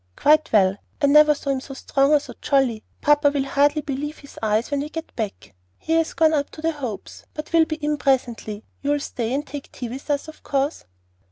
"Quite well. I never saw him so strong or so jolly. Papa will hardly believe his eyes when we get back. He has gone up to the Hopes, but will be in presently. You'll stay and take tea with us, of course."